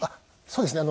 そうですね。